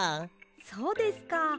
そうですか。